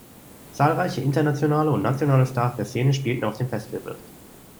Zahlreiche internationale und nationale Stars der Szene spielten auf dem Festival.